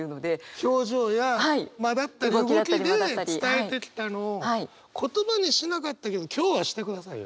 表情や間だったり動きで伝えてきたのを言葉にしなかったけど今日はしてくださいよ。